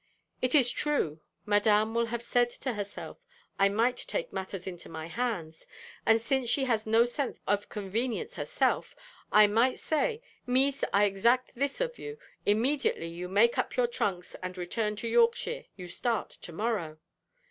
It is true, Madame will have said to herself, 'I might take matters into my hands; and since she has no sense of 'convenience' herself, I might say: 'Mees, I exact this of you: immediately you make up your trunks, and return to Yorkshire; you start to morrow.'